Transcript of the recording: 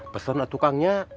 pesan ke tukangnya